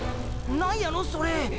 何やのそれ？